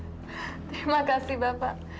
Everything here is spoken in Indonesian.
terima kasih bapak